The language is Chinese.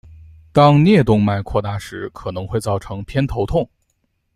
当颞动脉扩大时可能会造成偏头痛。